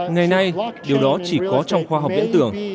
ngày nay điều đó chỉ có trong khoa học viễn tưởng